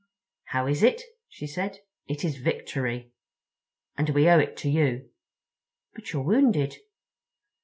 "How is it?" she said. "It is Victory. And we owe it to you. But you're wounded?"